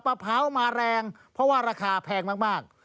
พร้าวมาแรงเพราะว่าราคาแพงมาก